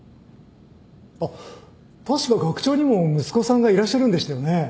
あっ確か学長にも息子さんがいらっしゃるんでしたよね